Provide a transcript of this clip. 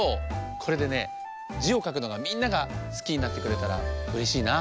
これでね「じ」をかくのがみんながすきになってくれたらうれしいな。